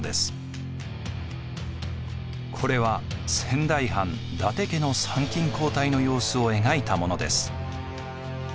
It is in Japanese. これは仙台藩伊達家の参勤交代の様子を描いたものです。